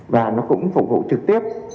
và nó cũng phục vụ trực tiếp